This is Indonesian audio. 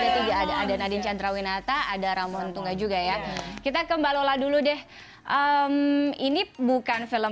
ada tiga ada ada nadine chandrawinata ada ramon tungga juga ya kita ke mbak lola dulu deh ini bukan film